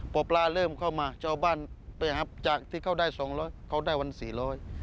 ปลาเริ่มเข้ามาชาวบ้านไปหับจากที่เขาได้๒๐๐บาทเขาได้วัน๔๐๐บาท